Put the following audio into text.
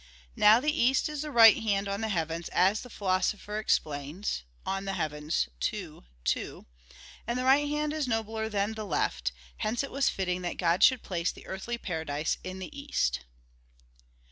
Now the east is the right hand on the heavens, as the Philosopher explains (De Coel. ii, 2); and the right hand is nobler than the left: hence it was fitting that God should place the earthly paradise in the east.